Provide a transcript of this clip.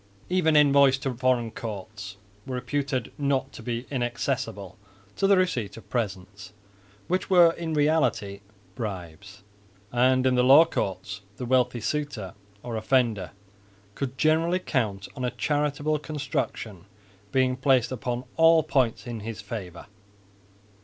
Even envoys to foreign courts were reputed not to be inaccessible to the receipt of presents, which were in reality bribes; and in the law courts the wealthy suitor or offender could generally count on a charitable construction being placed upon all points in his favour.